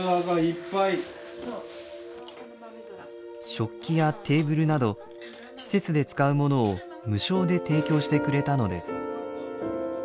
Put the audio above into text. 食器やテーブルなど施設で使うものを無償で提供してくれたのです。